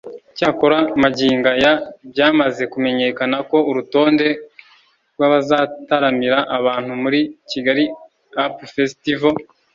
Icyakora magingo aya byamaze kumenyekana ko urutonde rw’abazataramira abantu muri Kigali Up Festival